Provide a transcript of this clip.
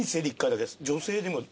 女性でも。